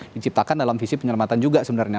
diciptakan dalam visi penyelamatan juga sebenarnya